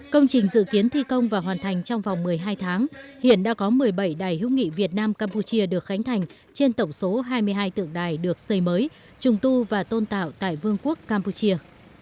công trình dự kiến thi công và hoàn thành trong vòng một mươi hai tháng hiện đã có một mươi bảy đài hữu nghị việt nam campuchia được khánh thành trên tổng số hai mươi hai tượng đài được xây mới trùng tu và tôn tạo tại vương quốc campuchia